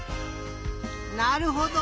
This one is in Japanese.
なるほど！